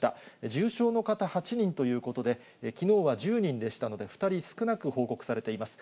重症の方８人ということで、きのうは１０人でしたので、２人少なく報告されています。